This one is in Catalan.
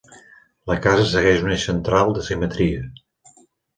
La casa segueix un eix central de simetria.